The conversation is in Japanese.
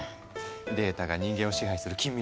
データが人間を支配する近未来